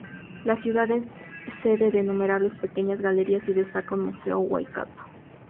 La ciudad es sede de numerables pequeñas galerías y destaca el Museo Waikato.